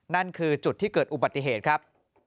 นั่นคือจุดที่เกิดอุบัติเหตุครับ